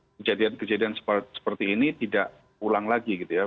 kejadian kejadian seperti ini tidak ulang lagi gitu ya